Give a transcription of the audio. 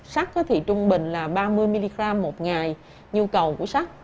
sắc thì trung bình là ba mươi mg một ngày nhu cầu của sắc